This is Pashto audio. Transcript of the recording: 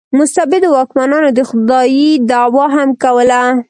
مستبدو واکمنانو د خدایي دعوا هم کوله.